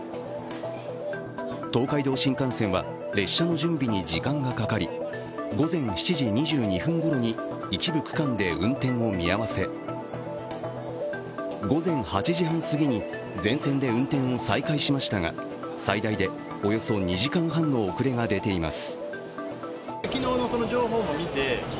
東海道新幹線は列車の準備に時間がかかり午前７時２２分ごろに一部区間で運転を見合せ、午前８時半過ぎに全線で運転を再開しましたが、最大でおよそ２時間半の遅れが出ています。